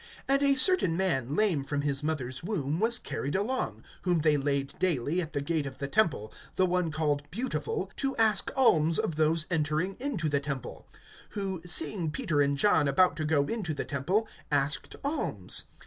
(2)And a certain man lame from his mother's womb was carried along, whom they laid daily at the gate of the temple, the one called Beautiful, to ask alms of those entering into the temple; (3)who, seeing Peter and John about to go into the temple, asked alms.